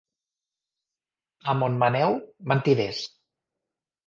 A Montmaneu, mentiders.